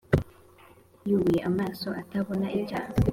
yubuye amaso atabona icyaha,